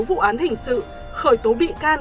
vụ án hình sự khởi tố bị can